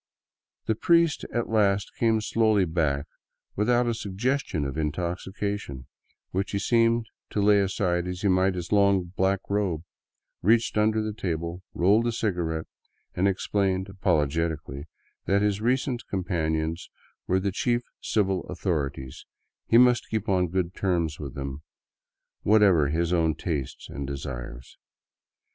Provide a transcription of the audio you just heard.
The priest at last came slowly back without a suggestion of intoxication, which he seemed to lay aside as he might his long black robe, reached under the table, rolled a cigarette, and explained apologeticaUy that, as his recent companions were the chief civil authorities, he must keep on good terms with them " whatever his own tastes and desires."